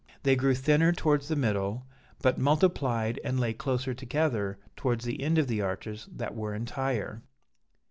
They grew thinner towards the middle, but multiplied and lay closer together towards the end of the arches that were entire.